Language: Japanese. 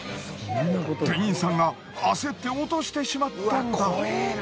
店員さんが焦って落としてしまったのだ。